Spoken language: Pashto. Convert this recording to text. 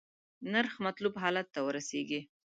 نرخ مطلوب حالت ته ورسیږي.